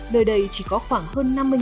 đời đây chỉ có khoảng hơn năm mươi dân